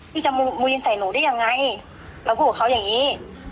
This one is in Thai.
พี่จะมุมวีนใส่หนูได้ยังไงแล้วก็บอกเขาอย่างงี้